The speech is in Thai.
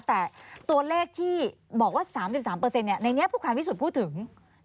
แต่ตัวเลขที่บอกว่า๓๓ในนี้ผู้การวิสุทธิพูดถึง